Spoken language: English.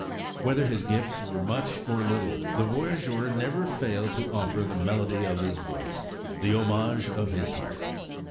Whether his gifts were much or little, the voyageur never failed to offer the melody of his voice, the homage of his heart.